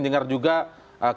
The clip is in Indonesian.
jaya hujung ulang